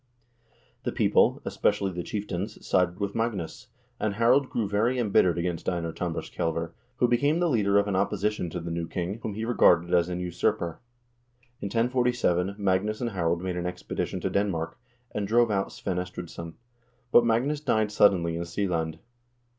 The people, especially the chieftains, sided with Magnus, and Harald grew very embittered against Einar Tambarskjselver, who became the leader of an opposi tion to the new king, whom he regarded as an usurper. In 1047 Magnus and Harald made an expedition to Denmark, and drove out Svein Estridsson, but Magnus died suddenly in Seeland.